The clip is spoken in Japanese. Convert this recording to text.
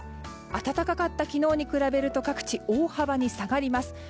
暖かかった昨日に比べると各地、大幅に下がります。